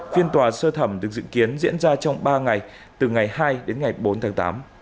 phiên tòa sơ thẩm được dự kiến diễn ra trong ba ngày từ ngày hai đến ngày bốn tháng tám